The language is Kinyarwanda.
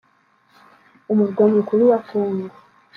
umurwa mukuru wa Congo